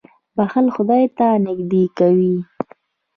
• بښل خدای ته نېږدې کوي.